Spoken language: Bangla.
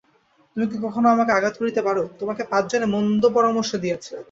তুমি কি কখনো আমাকে আঘাত করিতে পারো–তোমাকে পাঁচজনে মন্দ পরামর্শ দিয়াছে।